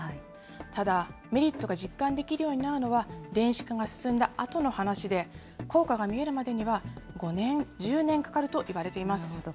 ただ、メリットが実感できるようになるのは電子化が進んだあとの話で、効果が見えるまでには５年、１０年かかるといわれています。